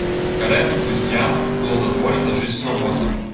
Карэнным хрысціянам было дазволена жыць свабодна.